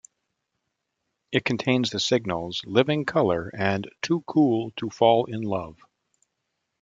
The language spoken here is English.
It contains the singles "Living Color" and "Too Cool to Fall in Love".